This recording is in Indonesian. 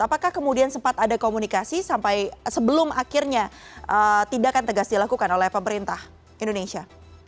apakah kemudian sempat ada komunikasi sampai sebelum akhirnya tindakan tegas dilakukan oleh pemerintah indonesia